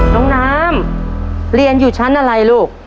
น้องน้ำเรียนอยู่ชั้นอะไรลูก